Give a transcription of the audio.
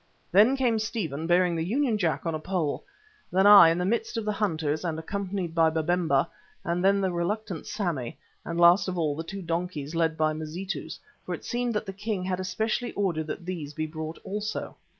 Then came Stephen bearing the Union Jack on a pole, then I in the midst of the hunters and accompanied by Babemba, then the reluctant Sammy, and last of all the two donkeys led by Mazitus, for it seemed that the king had especially ordered that these should be brought also.